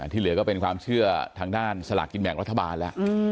ที่เหลือก็เป็นความเชื่อทางด้านสลากกินแบ่งรัฐบาลแล้ว